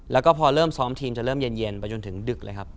แล้วก็พอเริ่มซ้อมทีมจะเริ่มเย็นไปจนถึงดึกเลยครับ